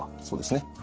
そうですね。